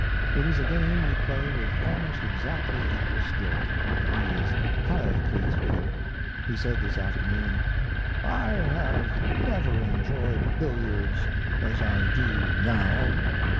It is a game we play with almost exactly equal skill, and he is highly pleased with it. He said this afternoon: "I have never enjoyed billiards as I do now.